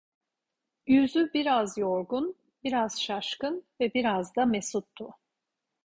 Yüzü biraz yorgun, biraz şaşkın ve biraz da mesuttu.